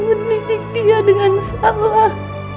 mendidik dia dengan salah